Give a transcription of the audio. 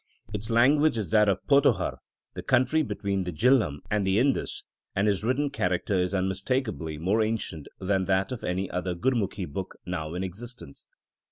Its language is that of Pothohar, the country between the Jihlam and the Indus, and its written character is unmistakably more ancient than that of any other Gurumukhi book now in existence.